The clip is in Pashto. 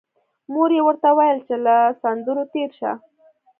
مور یې ورته ویل چې له سندرو تېر شه